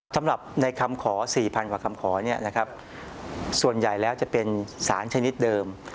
สำหรับในคำขอ๔๐๐กว่าคำขอส่วนใหญ่แล้วจะเป็นสารชนิดเดิม